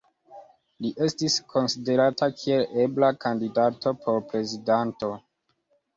Li estis konsiderata kiel ebla kandidato por prezidanto.